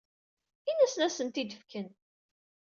Ini-asen ad asen-tent-id-fken.